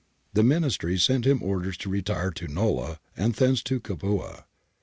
The Ministry sent him orders to retire to Nola and thence to Capua.